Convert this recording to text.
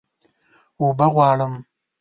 اوبه غواړم